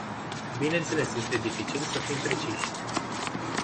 Bineînțeles, este dificil să fim preciși.